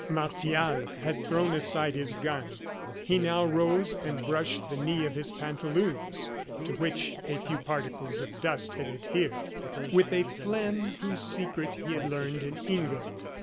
Martial had thrown aside his gun; he now rose and brushed the knee of his pantaloons, to which a few particles of dust had adhered, with a phlegm whose secret he had learned in England.